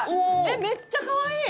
めっちゃかわいい！